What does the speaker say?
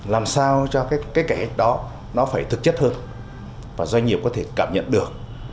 làm sao cho cái kẻ đó nó phải thực chất hơn và doanh nghiệp có thể cảm nhận được